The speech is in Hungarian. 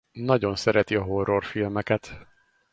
Nagyon szereti a horrorfilmeket.